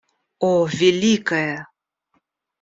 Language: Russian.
О, великая!